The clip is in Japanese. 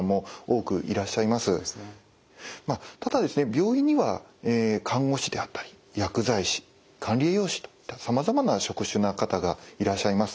病院には看護師であったり薬剤師管理栄養士といったさまざまな職種の方がいらっしゃいます。